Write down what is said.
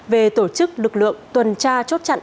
về tổ chức lực lượng tuần tra chốt chặn